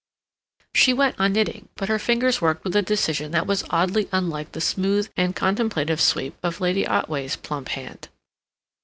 She went on knitting, but her fingers worked with a decision that was oddly unlike the smooth and contemplative sweep of Lady Otway's plump hand.